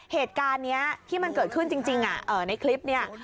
เหตุการณ์นี้ที่มันเกิดขึ้นจริงในคลิปนี้